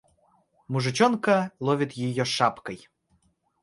Мужичонка ловит её шапкой.